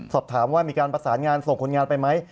สอบถามว่ามีการประสานงานส่งคนงานไปไหม